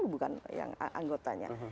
bukan yang anggotanya